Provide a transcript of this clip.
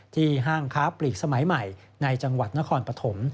ห้างค้าปลีกสมัยใหม่ในจังหวัดนครปฐม